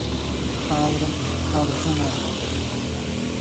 خاوره کرهڼه لري.